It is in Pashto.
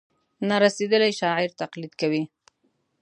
نا رسېدلي شاعر تقلید کوي.